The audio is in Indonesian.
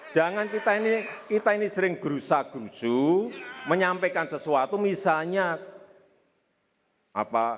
jangan kita ini sering gerusa gerusu menyampaikan sesuatu misalnya apa